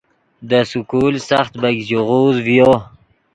دے سکول سخت بیګ ژیغوز ڤیو